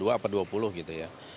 dua puluh dua apa dua puluh gitu ya